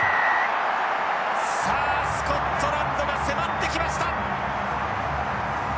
さあスコットランドが迫ってきました。